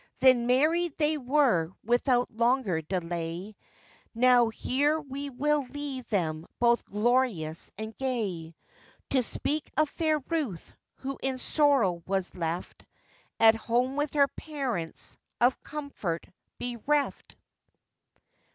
Then married they were without longer delay; Now here we will leave them both glorious and gay, To speak of fair Ruth, who in sorrow was left At home with her parents, of comfort bereft.